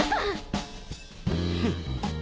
フッ。